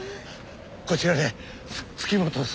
こちらね月本幸子さん。